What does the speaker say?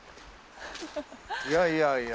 いやいやいや。